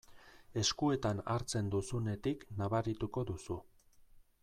Eskuetan hartzen duzunetik nabarituko duzu.